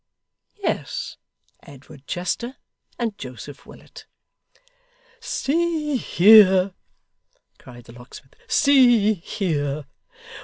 Yes, Edward Chester and Joseph Willet. 'See here!' cried the locksmith. 'See here!